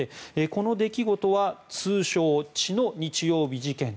この出来事は通称・血の日曜日事件